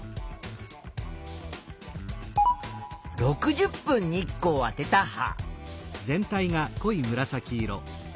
６０分日光をあてた葉。